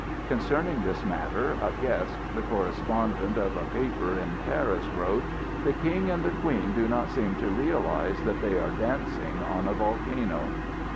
Concerning this matter, a guest, the correspondent of a paper in Paris, wrote: "The King and the Queen do not seem to realize that they are dancing on a volcano!"